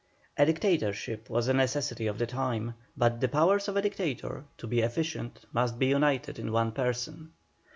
A Dictatorship was a necessity of the time, but the powers of a Dictator to be efficient must be united in one person.